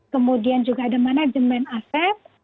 kemudian juga ada manajemen aset